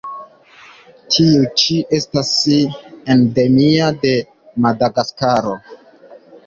Tiu ĉi estas endemia de Madagaskaro.